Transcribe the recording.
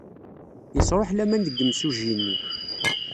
Yesṛuḥ laman deg yimsujji-nni.